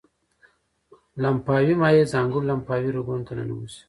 لمفاوي مایع ځانګړو لمفاوي رګونو ته ننوزي.